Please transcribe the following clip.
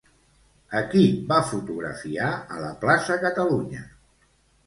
A qui va fotografiar a la plaça Catalunya?